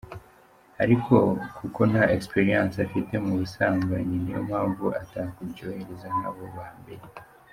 Ariko kuko nta experience afite mu busambanyi niyo mpamvu atakuryohereza nk’abo ba mbere.